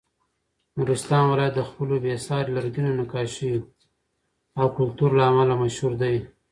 نورستان ولایت د خپلو بې ساري لرګینو نقاشیو او کلتور له امله مشهور دی.